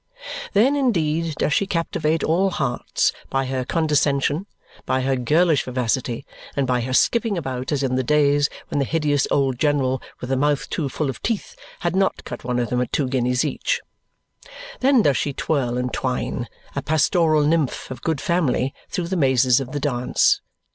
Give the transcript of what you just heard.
Then, indeed, does she captivate all hearts by her condescension, by her girlish vivacity, and by her skipping about as in the days when the hideous old general with the mouth too full of teeth had not cut one of them at two guineas each. Then does she twirl and twine, a pastoral nymph of good family, through the mazes of the dance.